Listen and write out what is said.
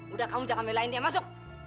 udah kamu jangan belain dia masuk